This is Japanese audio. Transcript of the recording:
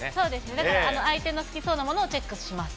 だから相手の好きそうなものをチェックします。